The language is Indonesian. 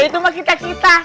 ya itu makin taksih pak